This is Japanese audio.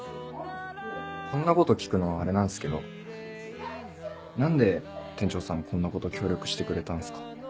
こんなこと聞くのあれなんすけど何で店長さんこんなこと協力してくれたんすか？